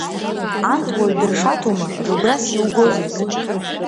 Анҭ уаҩ дыршаҭома, рыгәрас иугозеи?